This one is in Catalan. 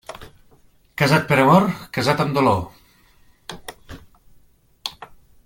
Casat per amor, casat amb dolor.